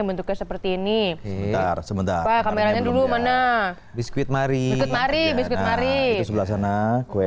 bentuknya seperti ini sebentar sebentar kameranya dulu mana biskuit mari mari mari sebelah sana kue